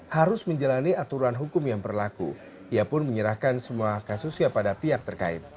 harus menjalani aturan hukum yang berlaku ia pun menyerahkan semua kasusnya pada pihak terkait